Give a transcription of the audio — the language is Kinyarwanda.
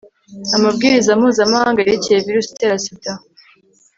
amabwiriza mpuzamahanga yerekeye virusi itera sida